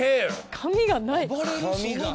髪がない。